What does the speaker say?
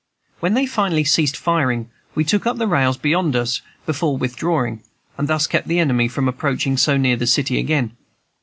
When they finally ceased firing we took up the rails beyond us before withdrawing, and thus kept the enemy from approaching so near the city again.